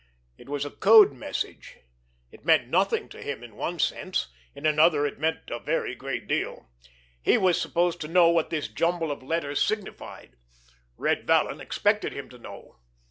It was a code message. It meant nothing to him in one sense, in another it meant a very great deal. He was supposed to know what this jumble of letters signified. Red Vallon expected him to know.